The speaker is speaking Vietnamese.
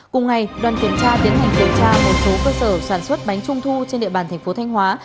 cùng ngày đoàn kiểm tra tiến hành kiểm tra một số cơ sở sản xuất bánh trung thu trên địa bàn thành phố thanh hóa